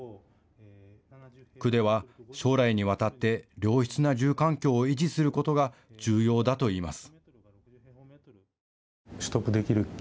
区では将来にわたって良質な住環境を維持することが重要だといいます。